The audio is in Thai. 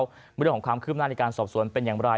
เมื่อเรื่องของความคลิบนานในการสอบสวนเป็นอย่างไร